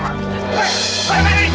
hei jangan lari